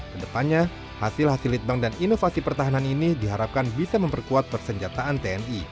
kedepannya hasil hasil lead bank dan inovasi pertahanan ini diharapkan bisa memperkuat persenjataan tni